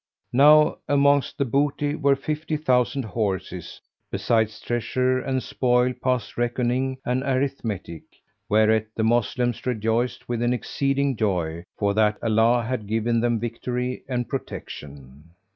[FN#404] Now amongst the booty were fifty thousand horses, besides treasure and spoil past reckoning and arithmetic, whereat the Moslems rejoiced with an exceeding joy for that Allah had given them victory and protection.